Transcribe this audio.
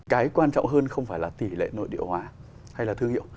cái quan trọng hơn không phải là tỷ lệ nội địa hóa hay là thương hiệu